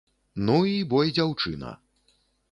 Ну, і бой дзяўчына.